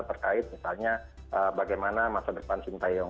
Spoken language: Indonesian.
terkait misalnya bagaimana masa depan shinta yang